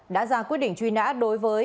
đã ra quyết định truy nã đối với hà nội